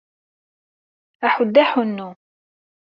Aḥuddu aḥunnu!